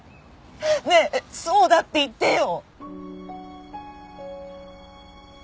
ねえそうだって言ってよ！